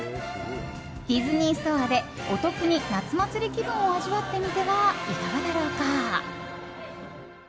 ディズニーストアでお得に夏祭り気分を味わってみてはいかがだろうか。